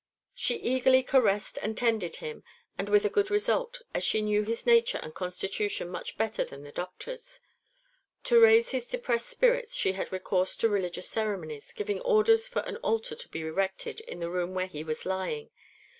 She eagerly caressed and tended him, and with a good result, as she knew his nature and constitution much better than the doctors. To raise his depressed spirits she had recourse to religious ceremonies, giving orders for an altar to be erected in the room where he was lying.